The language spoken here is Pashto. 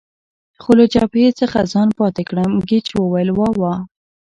څو له جبهې څخه ځان پاتې کړم، ګېج وویل: وا وا.